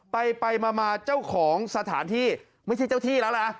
ไปไปมาเจ้าของสถานที่ไม่ใช่เจ้าที่แล้วนะ